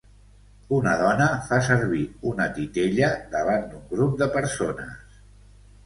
Una dona fa servir una titella davant d'un grup de persones.